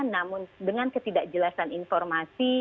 namun dengan ketidakjelasan informasi